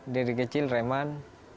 dari kecil reman